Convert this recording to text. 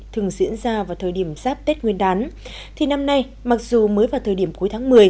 thường diễn ra vào thời điểm giáp tết nguyên đán thì năm nay mặc dù mới vào thời điểm cuối tháng một mươi